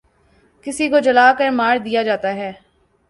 کسی کو جلا کر مار دیا جاتا ہے